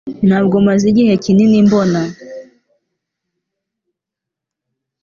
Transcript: Ntabwo maze igihe kinini mbona